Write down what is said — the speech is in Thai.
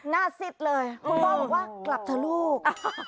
น่าซิศเลยคุณพ่ออะบอกว่ากลับลูก